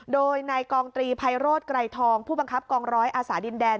โดยนายกองตรีไพโรธไกรทองผู้บังคับกองร้อยอาสาดินแดน